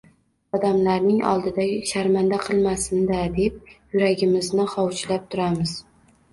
Odamlarning oldida sharmanda qilmasin-da deb yuragimizni hovuchlab turamiz